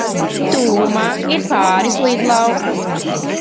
Tuvumā ir pāris lidlauku.